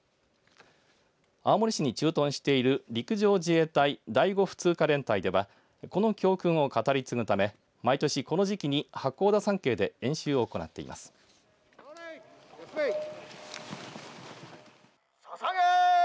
青森市に駐屯している陸上自衛隊第５普通科連隊ではこの教訓を語り継ぐため毎年、この時期に八甲田山系で演習を行っています。